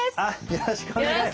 よろしくお願いします。